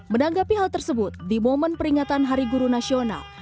menanggapi hal tersebut di momen peringatan hari guru nasional